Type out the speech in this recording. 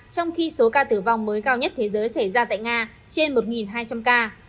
trong khi số ca tử vong mới cao nhất thế giới xảy ra tại nga trên một hai trăm linh ca